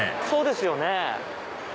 そうですよね。